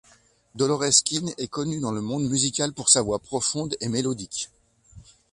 Dolores Keane est connue dans le monde musical pour sa voix profonde et mélodique.